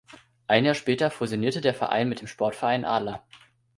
Ein Jahr später fusionierte der Verein mit dem "Sportverein Adler".